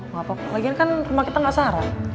ngapain lagian kan rumah kita gak seharan